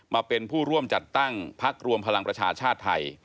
มาเป็นผู้ร่วมจัดตั้งพักรวมพลังประชาชาติไทย